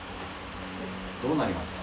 どうなりますか？